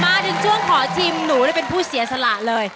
มาถึงช่วงขอชิมหนูเป็นผู้เสียสละเลย